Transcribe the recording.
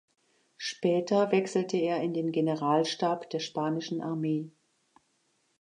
Später wechselte er in den Generalstab der spanischen Armee.